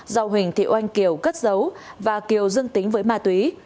do huỳnh thị oanh kiều cất giấu và kiều dương tính với ma túy